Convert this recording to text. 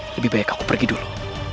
lebih baik aku pergi dulu